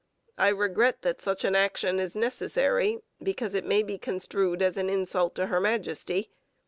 I regret that such an action is necessary, because it may be construed as an insult to Her Majesty.